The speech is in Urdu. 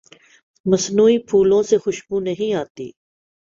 مصنوعی پھولوں سے خوشبو نہیں آتی